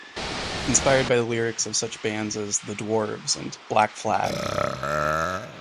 Inspired by the lyrics of such bands as The Dwarves and Black Flag.